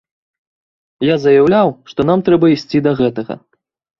Я заяўляў, што нам трэба ісці да гэтага.